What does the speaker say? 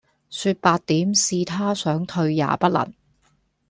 說白點是他想退也不能